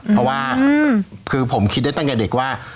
เพราะว่าคือผมคิดได้ตั้งแต่เด็กว่า